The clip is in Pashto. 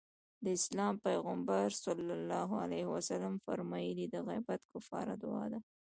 د اسلام پيغمبر ص وفرمايل د غيبت کفاره دعا ده.